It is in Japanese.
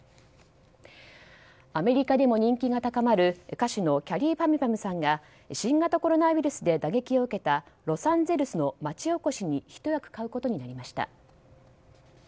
アメリカでも人気が高まる歌手のきゃりーぱみゅぱみゅさんが新型コロナウイルスで打撃を受けたロサンゼルスの町おこしにひと役買うことになりました。